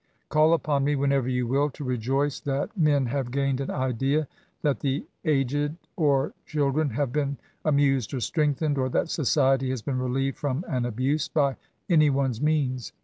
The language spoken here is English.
Gall upon me, whenever you will, to rejoice that men have gained an idea — that the aged or children have been amused or strengthenedr— or tbat society has been relieved from an abuse, by any one's means..